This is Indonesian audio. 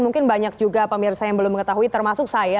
mungkin banyak juga pemirsa yang belum mengetahui termasuk saya